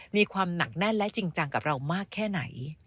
มีความหนักแน่นและจริงจังกับเรามากแค่ไหน